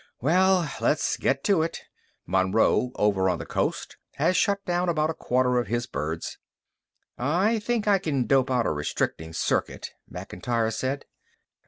"Well, let's get to it. Monroe over on the Coast has shut down about a quarter of his birds." "I think I can dope out a restricting circuit," Macintyre said.